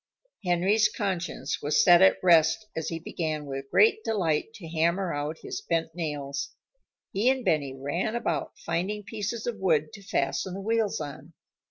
Henry's conscience was set at rest as he began with great delight to hammer out his bent nails. He and Benny ran about finding pieces of wood to fasten the wheels on.